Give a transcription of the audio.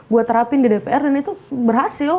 buat terapin di dpr dan itu berhasil